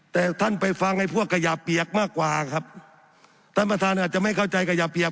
แต่ท่านไปฟังไอ้พวกขยะเปียกมากกว่าครับท่านประธานอาจจะไม่เข้าใจขยะเปียก